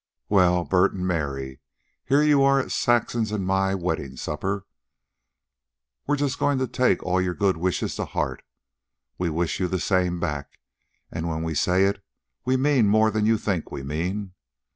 "Well, Bert an' Mary, here you are at Saxon's and my wedding supper. We're just goin' to take all your good wishes to heart, we wish you the same back, and when we say it we mean more than you think we mean.